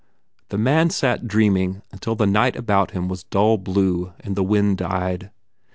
The man sat dreaming until the night about him was dull blue and the wind died.